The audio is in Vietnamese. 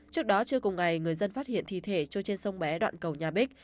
trước đó trưa cùng ngày người dân phát hiện thi thể trôi trên sông bé đoạn cầu nhà bích